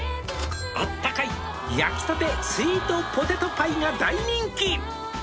「あったかい焼きたてスイートポテトパイが大人気」